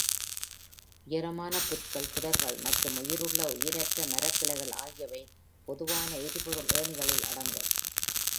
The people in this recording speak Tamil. உயரமான புற்கள், புதர்கள் மற்றும் உயிருள்ள, உயிரற்ற மரக் கிளைகள் ஆகியவை பொதுவான எரிபொருள் ஏணிகளில் அடங்கும்.